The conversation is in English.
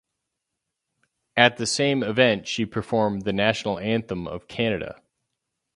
At the same event she performed the national anthem of Canada.